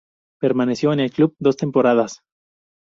Permaneció en el club dos temporadas.